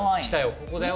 ここだよ